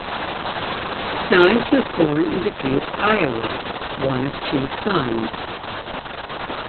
Steines was born in Dubuque, Iowa, one of two sons.